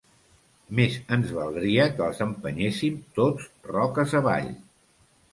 Més ens valdria que els espenyéssim tots roques avall!